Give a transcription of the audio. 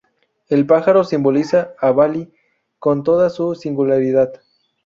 El pájaro simboliza a Bali con toda su singularidad.